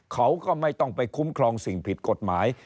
เขาก็ไม่ต้องไปคุ้มครองสิ่งผิดกฎหมาย